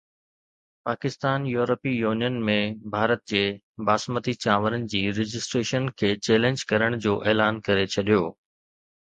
Pakistan European Union ۾ Bharat جي باسمتي چانورن جي رجسٽريشن کي چئلينج ڪرڻ جو اعلان ڪري ڇڏيو